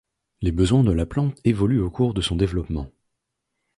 Les besoins de la plante évoluent au cours de son développement.